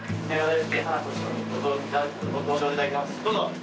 どうぞ。